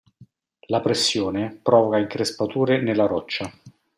La pressione provoca increspature nella roccia.